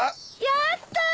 やった！